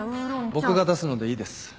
僕が出すのでいいです。